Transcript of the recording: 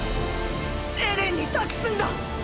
エレンに託すんだ。